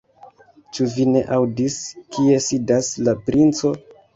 Ĉu vi ne aŭdis, kie sidas la princo?